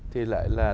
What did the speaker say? thì lại là